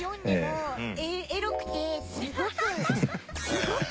すごく。